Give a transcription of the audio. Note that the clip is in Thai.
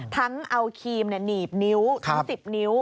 ทั้งเอาครีมหนีบนิ้วทั้ง๑๐นิ้ว